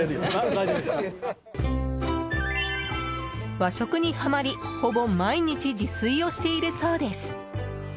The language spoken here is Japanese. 和食にハマり、ほぼ毎日自炊をしているそうです。